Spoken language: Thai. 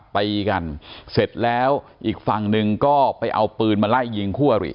ตีกันเสร็จแล้วอีกฝั่งหนึ่งก็ไปเอาปืนมาไล่ยิงคู่อริ